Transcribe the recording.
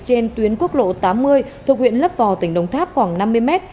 trên tuyến quốc lộ tám mươi thuộc huyện lấp vò tỉnh đồng tháp khoảng năm mươi mét